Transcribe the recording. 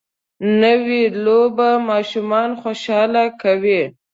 نوې لوبه ماشومان خوشحاله کوي